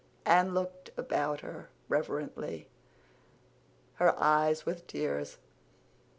Anne looked about her reverently, her eyes with tears.